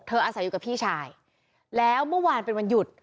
อาศัยอยู่กับพี่ชายแล้วเมื่อวานเป็นวันหยุด